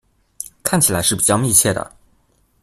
看起來是比較密切的